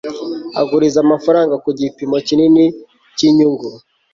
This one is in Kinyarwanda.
aguriza amafaranga ku gipimo kinini cyinyungu